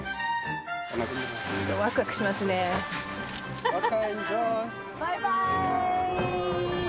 ちょっとワクワクしますねバイバーイ！